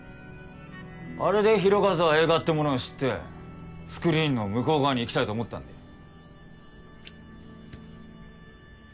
あれで浩一は映画ってものを知ってスクリーンの向う側に行きたいと思ったんだよ。